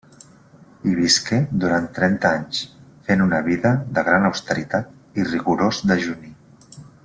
Hi visqué durant trenta anys, fent una vida de gran austeritat i rigorós dejuni.